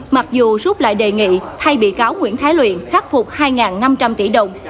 mặc dù rút lại đề nghị thay bị cáo nguyễn thái luyện khắc phục hai năm trăm linh tỷ đồng